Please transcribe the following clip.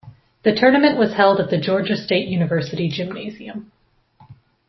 The tournament was held at the Georgia State University gymnasium.